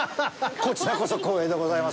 こちらこそ光栄でございます。